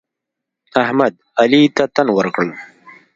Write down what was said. احمد؛ علي ته تن ورکړ.